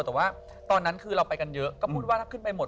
แต่ว่าตอนนั้นคือเราไปกันเยอะก็พูดว่าถ้าขึ้นไปหมด